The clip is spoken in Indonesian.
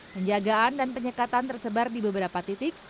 penjagaan dan penyekatan tersebar di beberapa titik